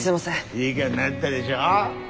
いい顔なったでしょう？